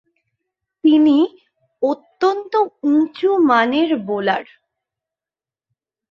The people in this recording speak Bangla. তিনি অত্যন্ত উঁচুমানের বোলার।